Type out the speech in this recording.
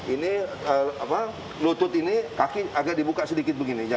ini lutut ini kaki agak dibuka sedikit begini